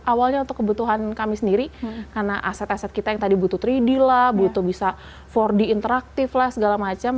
awalnya untuk kebutuhan kami sendiri karena aset aset kita yang tadi butuh tiga d lah butuh bisa empat d interaktif lah segala macam